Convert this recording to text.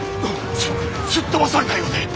すすっとばされたようで。